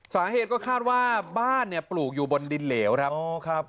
สาเหตุก็คาดว่าบ้านเนี่ยปลูกอยู่บนดินเหลวครับอ๋อครับ